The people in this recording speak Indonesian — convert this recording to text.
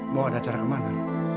mau ada acara kemana